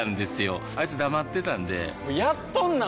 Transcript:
あいつ黙ってたんでやっとんなー！